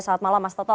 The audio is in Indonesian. selamat malam mas toto